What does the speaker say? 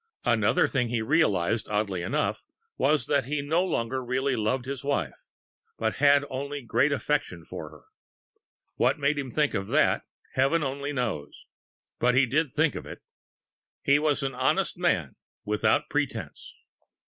Another thing he realised, oddly enough, was that he no longer really loved his wife, but had only great affection for her. What made him think of that, Heaven only knows, but he did think of it. He was an honest man without pretence.